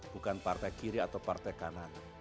bukan partai kiri atau partai kanan